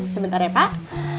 sebentar ya pak